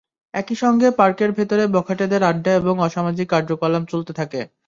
একই সঙ্গে পার্কের ভেতরে বখাটেদের আড্ডা এবং অসামাজিক কার্যকলাপ চলতে থাকে।